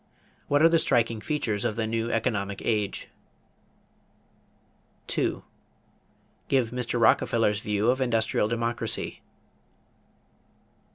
What are the striking features of the new economic age? 2. Give Mr. Rockefeller's view of industrial democracy.